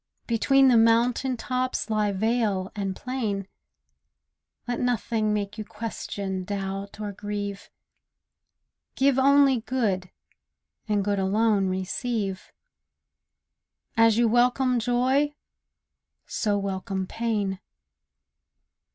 Between the mountain tops lie vale and plain; Let nothing make you question, doubt, or grieve; Give only good, and good alone receive; And as you welcome joy, so welcome pain.